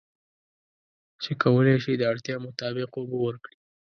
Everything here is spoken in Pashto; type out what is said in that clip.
چې کولی شي د اړتیا مطابق اوبه ورکړي.